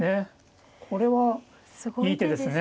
これはいい手ですね。